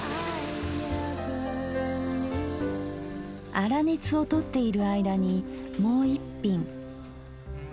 粗熱をとっている間にもう一品。